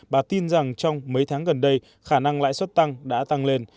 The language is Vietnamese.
bà tin rằng trong mấy tháng gần đây khả năng lãi suất tăng đã tăng lên